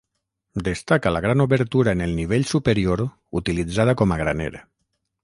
Destaca la gran obertura en el nivell superior utilitzada com a graner.